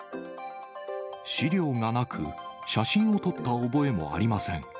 資料がなく、写真を撮った覚えもありません。